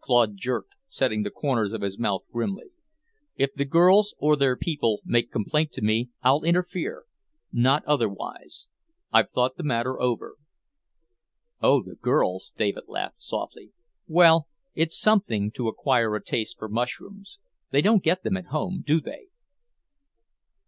Claude jerked, setting the corners of his mouth grimly. "If the girls, or their people, make complaint to me, I'll interfere. Not otherwise. I've thought the matter over." "Oh, the girls " David laughed softly. "Well, it's something to acquire a taste for mushrooms. They don't get them at home, do they?"